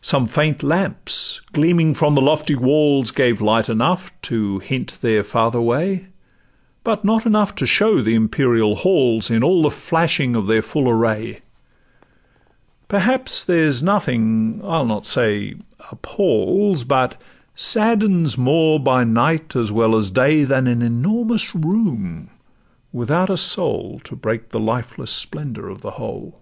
Some faint lamps gleaming from the lofty walls Gave light enough to hint their farther way, But not enough to show the imperial halls, In all the flashing of their full array; Perhaps there's nothing—I'll not say appals, But saddens more by night as well as day, Than an enormous room without a soul To break the lifeless splendour of the whole.